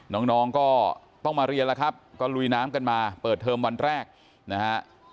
น้องก็ต้องมาเรียนแล้วครับก็ลุยน้ำกันมาเปิดเทอมวันแรกนะฮะ